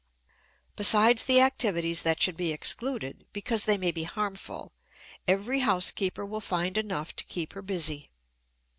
Besides the activities that should be excluded because they may be harmful, every housekeeper will find enough to keep her busy.